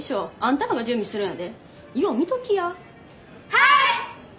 はい！